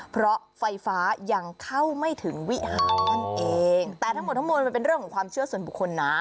เพราะไฟฟ้ายังเข้าไม่ถึงวิหารนั่นเองแต่ทั้งหมดทั้งมวลมันเป็นเรื่องของความเชื่อส่วนบุคคลนะ